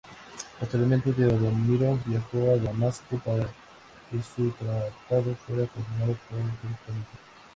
Posteriormente Teodomiro viajó a Damasco para que su tratado fuera confirmado por el Califa.